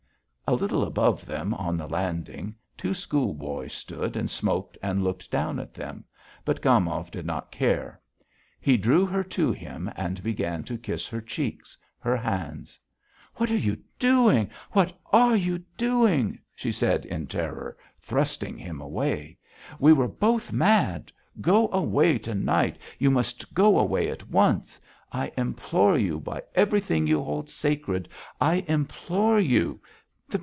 A little above them, on the landing, two schoolboys stood and smoked and looked down at them, but Gomov did not care. He drew her to him and began to kiss her cheeks, her hands. "What are you doing? What are you doing?" she said in terror, thrusting him away.... "We were both mad. Go away to night. You must go away at once.... I implore you, by everything you hold sacred, I implore you....